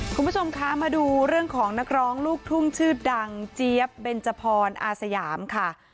คุณผู้ชมคะมาดูเรื่องของนักร้องลูกทุ่งชื่อดังเจี๊ยบเบนจพรอาสยามค่ะ